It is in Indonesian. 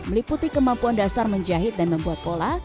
meliputi kemampuan dasar menjahit dan membuat pola